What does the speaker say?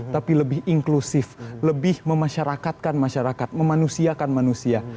tapi lebih inklusif lebih memasyarakatkan masyarakat memanusiakan manusia